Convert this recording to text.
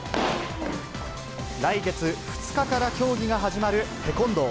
来月２日から競技が始まるテコンドー。